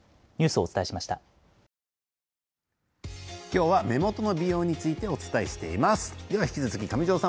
今日は目元の美容についてお伝えしています。